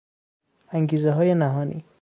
انگیزههای نهانی